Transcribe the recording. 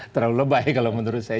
terlalu lebay kalau menurut saya